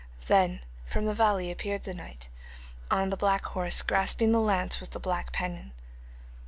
Then from the valley appeared the knight on the black horse, grasping the lance with the black pennon.